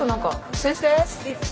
先生